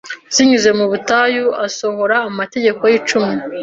zinyuze mu butayu asohora amategeko ye icumi